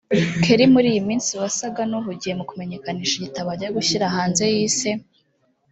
Kelly muri iyi minsi wasaga n’uhugiye mu kumenyekanisha igitabo agiye gushyira hanze yise